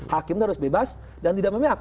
hakim itu harus bebas dan tidak memihak